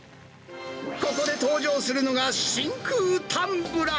ここで登場するのが、真空タンブラー。